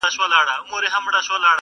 زه په تمه، ته بېغمه.